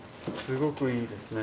すごくいいですね。